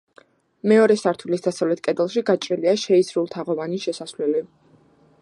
მეორე სართულის დასავლეთ კედელში გაჭრილია შეისრულთაღოვანი შესასვლელი.